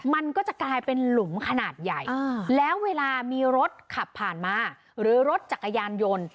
มันก็จะกลายเป็นหลุมขนาดใหญ่อ่า